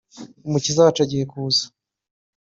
umukiza wacu agiye kuza